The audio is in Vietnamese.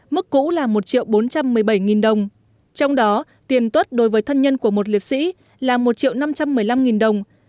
mức cũ là một triệu bốn trăm một mươi bảy nghìn đồng trong đó tiền tuất đối với thân nhân của một liệt sĩ là một triệu năm trăm một mươi năm nghìn đồng